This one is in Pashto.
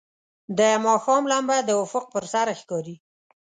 د ماښام لمبه د افق پر سر ښکاري.